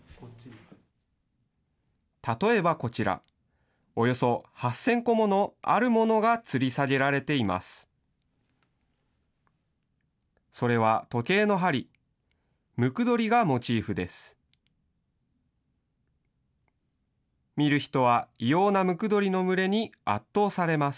例えばこちら、およそ８０００個もの、あるものがつり下げられています。